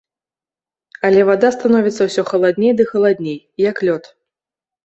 Але вада становіцца ўсё халадней ды халадней, як лёд.